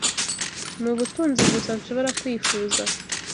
Nubutunzi gusa nshobora kwifuza